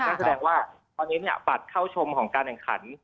นั่นแสดงว่าตอนนี้บัตรเข้าชมของการแข่งขัน